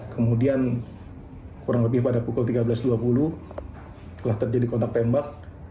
kemudian kurang lebih pada pukul tiga belas dua puluh telah terjadi kontak tembak